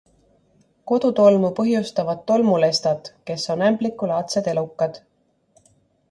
Kodutolmu põhjustavad tolmulestad, kes on ämblikulaadsed elukad.